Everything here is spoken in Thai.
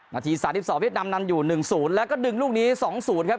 นาที๓๒เวียดนำนั่นอยู่หนึ่งสูญแล้วก็ดึงลูกนี้สองสูญครับ